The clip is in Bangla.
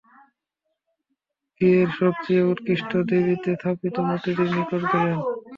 গৃহের সব চেয়ে উৎকৃষ্ট বেদীতে স্থাপিত মূর্তিটির নিকট গেলেন।